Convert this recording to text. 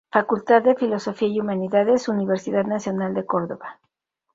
Facultad de Filosofía y Humanidades, Universidad Nacional de Córdoba.